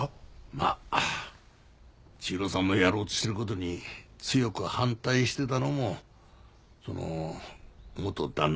まあ千尋さんのやろうとしてる事に強く反対してたのもその元旦那なんだけどね。